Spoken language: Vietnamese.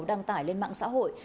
đăng tải lên mạng xã hội